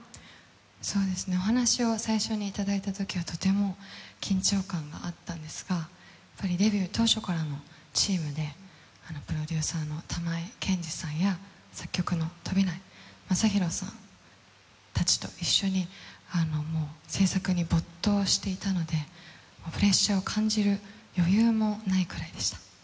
お話を最初にいただいたときはとても緊張感があったんですけれども、デビュー当初からのチームでプロデューサーの方や作曲家さんたちと一緒に制作に没頭していたので、プレッシャーを感じる余裕もないくらいでした。